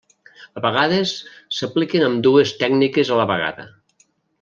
A vegades s'apliquen ambdues tècniques a la vegada.